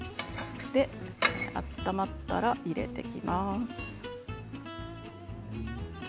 温まったら入れていきます。